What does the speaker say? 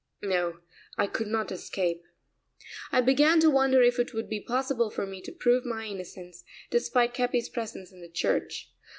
No, I could not escape. I began to wonder if it would be possible for me to prove my innocence, despite Capi's presence in the church.